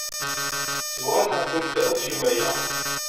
Ssebɣaseɣ-kent ad tgemt aya.